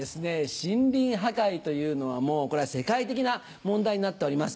森林破壊というのはもうこれは世界的な問題になっております。